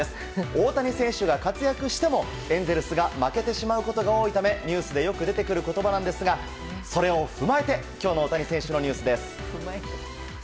大谷選手が活躍してもエンゼルスが負けてしまうことが多いためニュースでよく出てくる言葉なんですがそれを踏まえて今日の大谷選手のニュースです。